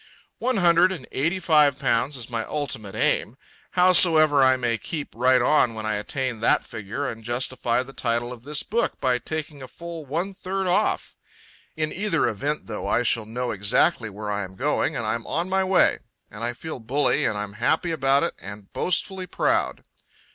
One hundred and eighty five pounds is my ultimate aim. Howsoever, I may keep right on when I attain that figure and justify the title of this book by taking a full one third off. In either event, though, I shall know exactly where I am going and I'm on my way. And I feel bully and I'm happy about it and boastfully proud.